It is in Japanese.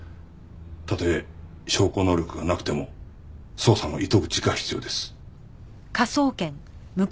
たとえ証拠能力がなくても捜査の糸口が必要です。